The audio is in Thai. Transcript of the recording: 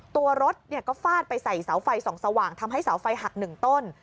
ตัวรถก็ฟาดไปใส่เสาไฟส่องสว่างทำให้เสาไฟหักหนึ่งต้น